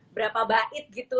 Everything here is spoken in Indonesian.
berapa bait gitu